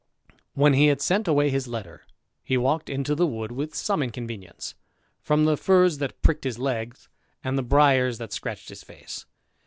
When he had sent away his letter, he walked into the wood with some inconvenience, from the furze that pricked his legs, and the briers that scratched his face.